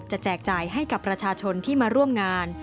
แจกจ่ายให้กับประชาชนที่มาร่วมงาน